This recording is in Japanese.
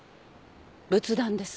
仏壇です。